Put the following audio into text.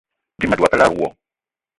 Dím ma dwé a kalada wo